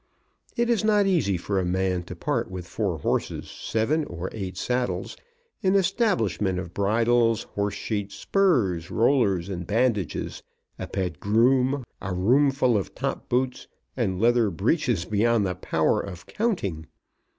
It is not easy for a man to part with four horses, seven or eight saddles, an establishment of bridles, horsesheets, spurs, rollers, and bandages, a pet groom, a roomful of top boots, and leather breeches beyond the power of counting.